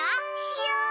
しよう！